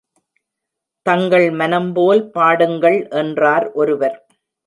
தங்கள் மனம்போல் பாடுங்கள் என்றார் ஒருவர்.